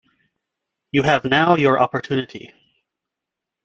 You have now your opportunity.